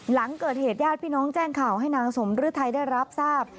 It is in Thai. หลังเกิดเหตุญาติพี่น้องแจ้งข่าวให้นางสมฤทัยได้รับทราบ